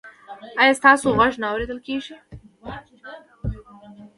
ایا ستاسو غږ نه اوریدل کیږي؟